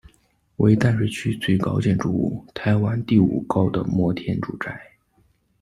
为淡水区最高建筑物，台湾第五高的摩天住宅。